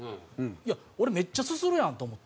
いや俺めっちゃすするやん！と思って。